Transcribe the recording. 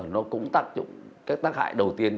nó cũng tác dụng các tác hại đầu tiên